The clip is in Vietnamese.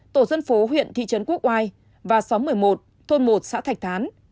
tổ dân phố huyện thị trấn quốc oai và xóm một mươi một thôn một xã thạch thán